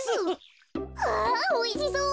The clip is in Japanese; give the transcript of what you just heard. わおいしそう。